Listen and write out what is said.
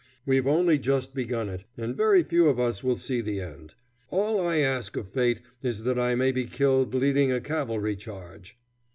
We've only just begun it, and very few of us will see the end. _All I ask of fate is that I may be killed leading a cavalry charge.